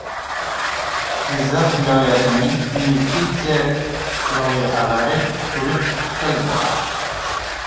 Jizzax viloyatining investitsiya loyihalari ko‘rib chiqildi